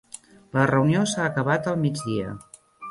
La reunió s'ha acabat al migdia